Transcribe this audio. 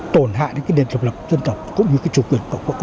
tổn hại những nền lực lập dân tộc cũng như chủ quyền của quốc gia